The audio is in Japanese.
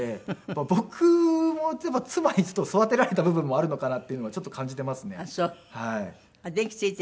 僕も妻に育てられた部分もあるのかなっていうのはちょっと感じてますね。